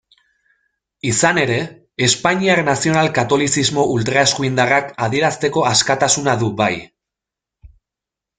Izan ere, espainiar nazional-katolizismo ultraeskuindarrak adierazteko askatasuna du, bai.